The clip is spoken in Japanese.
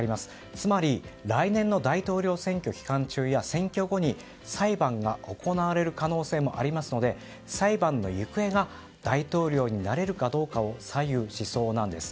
つまり来年の大統領選挙期間中や選挙後に、裁判が行われる可能性もありますので裁判の行方が大統領になれるかどうかを左右しそうなんです。